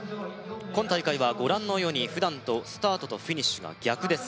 今大会はご覧のように普段とスタートとフィニッシュが逆です